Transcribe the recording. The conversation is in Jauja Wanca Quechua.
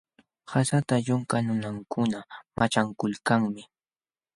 Qasata yunka nunakuna manchakulkanmi.